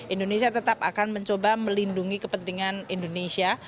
indonesia tetap akan mencoba melindungi kepentingan indonesia